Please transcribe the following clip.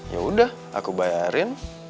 yaudah aku bayarin